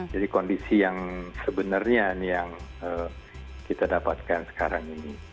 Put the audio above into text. jadi kondisi yang sebenarnya ini yang kita dapatkan sekarang ini